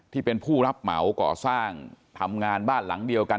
ที่เป็นผู้รับเหมาก่อสร้างทำงานบ้านหลังเดียวกัน